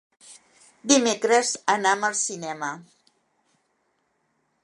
Dimecres anam al cinema.